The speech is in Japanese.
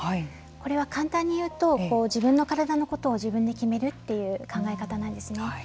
これは簡単に言うと自分の体のことを自分で決めるという考え方なんですね。